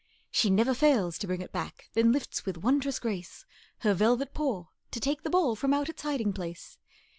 She never fails to bring it back; Then lifts with wondrous grace Her velvet paw to take the ball From out its hiding place.